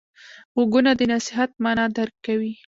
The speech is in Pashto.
غوږونه د نصیحت معنی درک کوي